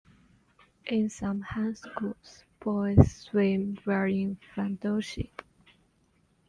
In some high schools, boys swim wearing fundoshi.